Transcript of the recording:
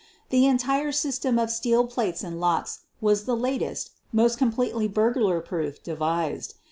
The entire system of steel plates and locks was the lat est, most completely burglar proof devised.